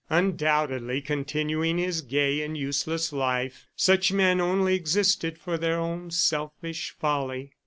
... Undoubtedly continuing his gay and useless life. Such men only existed for their own selfish folly.